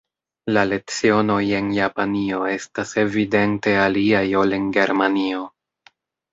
La lecionoj en Japanio estas evidente aliaj ol en Germanio.